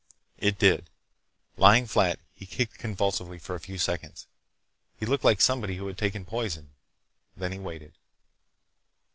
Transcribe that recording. It did. Lying flat, he kicked convulsively for a few seconds. He looked like somebody who had taken poison. Then he waited.